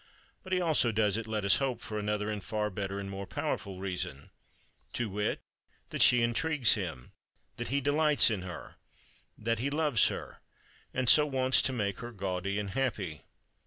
But he also does it, let us hope, for another and far better and more powerful reason, to wit, that she intrigues him, that he delights in her, that he loves her—and so wants to make her gaudy and happy.